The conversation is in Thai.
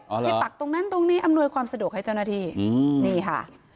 ให้ปักตรงนั้นตรงนี้อำนวยความสะดวกให้เจ้าหน้าที่อืมนี่ค่ะ